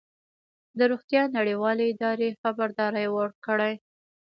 د روغتیا نړیوالې ادارې خبرداری ورکړی